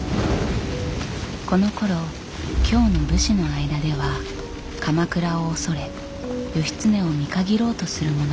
このころ京の武士の間では鎌倉を恐れ義経を見限ろうとする者が出始めている。